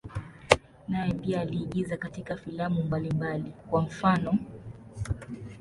Naye pia aliigiza katika filamu mbalimbali, kwa mfano.